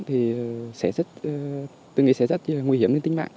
tôi nghĩ sẽ rất nguy hiểm đến tinh mạng